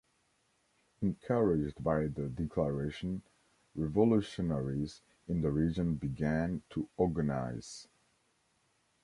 Encouraged by the declaration, revolutionaries in the region began to organize.